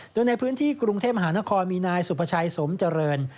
โดยในพื้นที่กรุงเทพมหานครมีนายสุภาชัยสมเจริญ